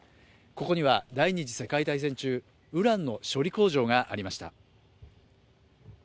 ここには第二次世界大戦中、ウランの処理工場がありました。